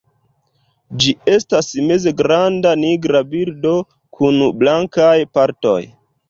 Ĝi estas mezgranda nigra birdo kun blankaj partoj.